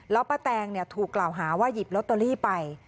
แล้วป้าแตงถูกกล่าวหาว่าหยิบลอตเตอรี่ไป